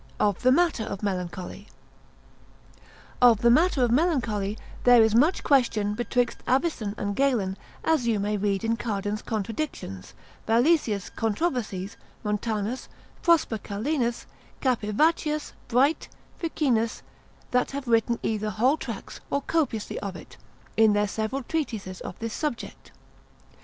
—Of the Matter of Melancholy. Of the matter of melancholy, there is much question betwixt Avicen and Galen, as you may read in Cardan's Contradictions, Valesius' Controversies, Montanus, Prosper Calenus, Capivaccius, Bright, Ficinus, that have written either whole tracts, or copiously of it, in their several treatises of this subject.